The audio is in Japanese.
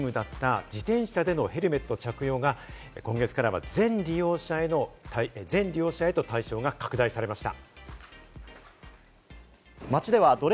これまで１３歳未満への努力義務だった自転車でのヘルメット着用が今月からは全利用者へと対象が拡大されました。